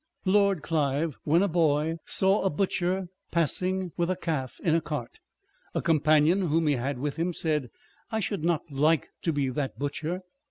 Lord Clive, when a boy, saw a butcher passing with a calf in a cart. A companion whom he had with him said, " I should not like to be that butcher